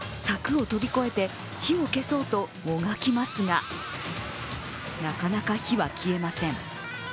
柵を飛び越えて火を消そうともがきますがなかなか火は消えません。